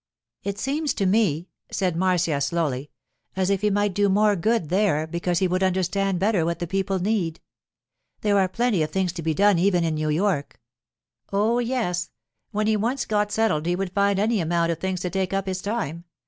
'It seems to me,' said Marcia, slowly, 'as if he might do more good there, because he would understand better what the people need. There are plenty of things to be done even in New York.' 'Oh, yes; when he once got settled he would find any amount of things to take up his time.